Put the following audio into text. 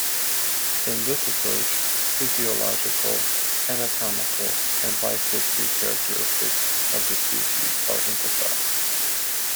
In this approach, physiological, anatomical, and life history characteristics of the species are emphasized.